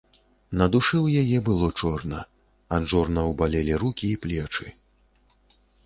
На душы ў яе было чорна, ад жорнаў балелі рукі і плечы.